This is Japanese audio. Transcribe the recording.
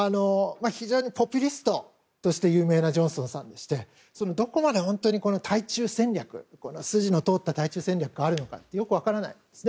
ポピュリストとして有名なジョンソンさんでしてどこまで本当に筋の通った対中戦略があるのかよく分からないんですね。